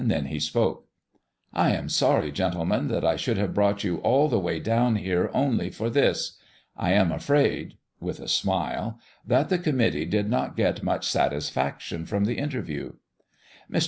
Then he spoke. "I am sorry, gentlemen, that I should have brought you all the way down here only for this. I am afraid" with a smile "that the committee did not get much satisfaction from the interview." Mr.